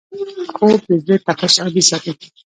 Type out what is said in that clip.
خوب د زړه تپش عادي ساتي